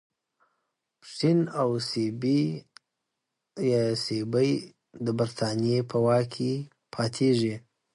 پښین او سیبی د برټانیې په واک کې پاتیږي.